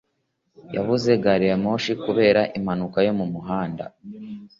yabuze gari ya moshi kubera impanuka yo mu muhanda